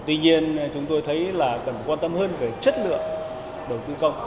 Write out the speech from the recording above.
tuy nhiên chúng tôi thấy là cần quan tâm hơn về chất lượng đầu tư công